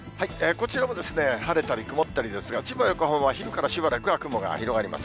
こちらも晴れたり曇ったりですが、千葉、横浜は昼からしばらくは雲が広がります。